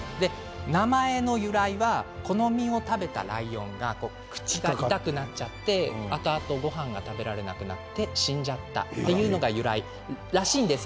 名前の由来は木の実を食べたライオンが口が閉じられなくなってあとあとごはんが食べられなくなって死んじゃったというのが由来らしいんです。